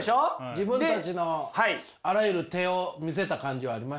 自分たちのあらゆる手を見せた感じはありましたね。